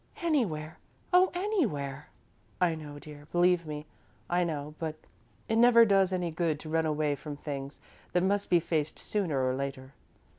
"Anywhere oh, anywhere!" "I know, dear, believe me, I know, but it never does any good to run away from things that must be faced sooner or later.